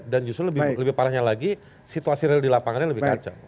dan justru lebih parahnya lagi situasi real di lapangannya lebih kacau